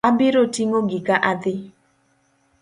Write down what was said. Abiro ting'o gika adhi.